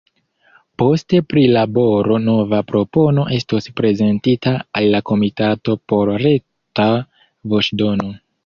Post prilaboro nova propono estos prezentita al la komitato por reta voĉdono.